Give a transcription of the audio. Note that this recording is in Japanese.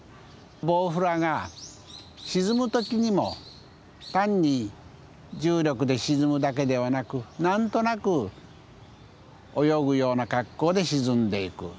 孑孑が沈む時にも単に重力で沈むだけではなく何となく泳ぐような格好で沈んでいく。